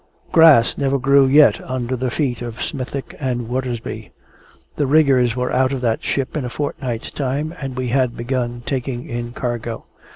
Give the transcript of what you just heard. Grass never grew yet under the feet of Smithick and Watersby. The riggers were out of that ship in a fortnight's time, and we had begun taking in cargo.